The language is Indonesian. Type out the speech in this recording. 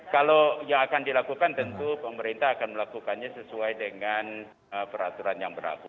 kalau yang akan dilakukan tentu pemerintah akan melakukannya sesuai dengan peraturan yang berlaku